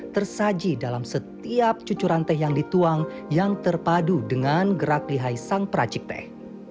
tersaji dalam setiap cucuran teh yang dituang yang terpadu dengan gerak lihai sang peracik teh